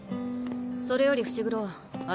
それより伏黒私